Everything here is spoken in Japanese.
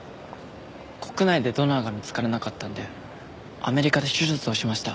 国内でドナーが見つからなかったんでアメリカで手術をしました。